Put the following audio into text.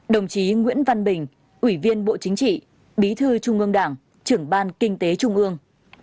đồng chí nguyễn văn bình ủy viên bộ chính trị bí thư trung ương đảng trưởng ban kinh tế trung ương